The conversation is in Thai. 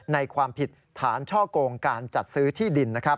ความผิดฐานช่อกงการจัดซื้อที่ดิน